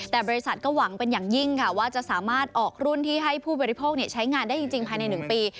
แต่บริษัทก็หวังเป็นอย่างยิ่งค่ะว่าจะสามารถออกรุ่นที่ให้ผู้บริโภคใช้งานได้จริงภายใน๑ปี